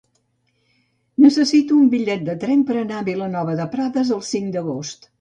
Necessito un bitllet de tren per anar a Vilanova de Prades el cinc d'agost.